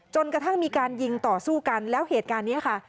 จนกระทั่งมีการยิงต่อสู้กันแล้วเหตุการณ์นี้ค่ะ